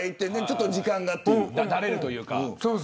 だれるというか。